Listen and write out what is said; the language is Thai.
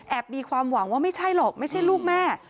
มีความหวังว่าไม่ใช่หรอกไม่ใช่ลูกแม่